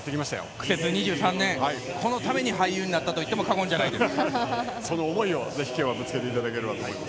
苦節２３年、このために俳優になったといっても過言じゃないです。